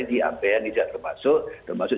di ambehen tidak termasuk termasuk